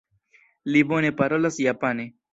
Li bone parolas japane.